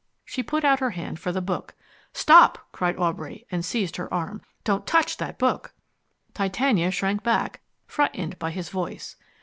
She put out her hand for the book. "Stop!" cried Aubrey, and seized her arm. "Don't touch that book!" Titania shrank back, frightened by his voice.